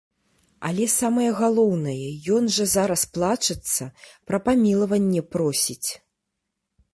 Але самае галоўнае, ён жа зараз плачацца, пра памілаванне просіць.